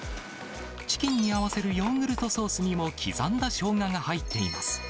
チキンに合わせるヨーグルトソースにも、刻んだショウガが入っています。